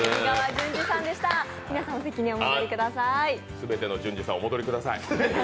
全ての淳二さんお戻りください。